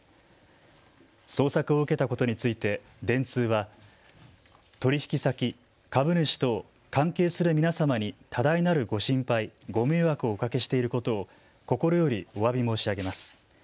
捜索を受けたことについて電通は取引先、株主等、関係する皆様に多大なるご心配、ご迷惑をおかけしていることを心よりおわび申し上げます。